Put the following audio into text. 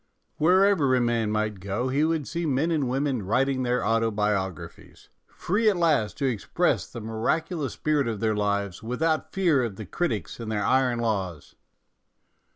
Wherever a man might go he would see men and women writing their autobio graphies, free at last to express the miracu lous spirit of their lives, without fear of the critics and their iron laws.